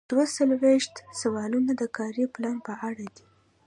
دوه څلویښتم سوال د کاري پلان په اړه دی.